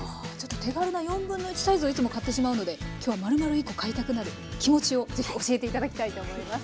手軽な1/4サイズをいつも買ってしまうので今日はまるまる１コ買いたくなる気持ちをぜひ教えて頂きたいと思います。